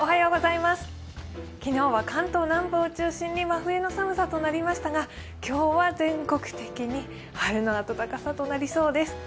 昨日は関東南部を中心に真冬の寒さとなりましたが、今日は全国的に晴れの暖かさとなりそうです。